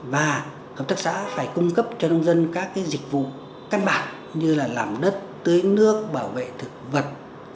và hợp tác xã phải cung cấp cho nông dân các dịch vụ căn bản như là làm đất tưới nước bảo vệ thực vật